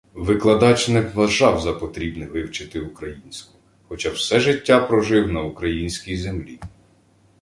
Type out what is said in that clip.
Викладач не вважав за потрібне вивчити українську, хоча все життя прожив на українській землі